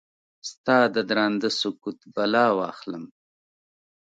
ستا ددرانده سکوت بلا واخلم؟